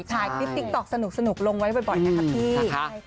ใช่ติ๊กติ๊กต๊อกสนุกลงไว้บ่อยนะครับพี่